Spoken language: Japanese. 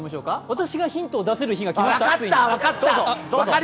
私がヒントを出せる日が来ました。